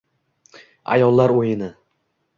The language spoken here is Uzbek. Ayollar o'yini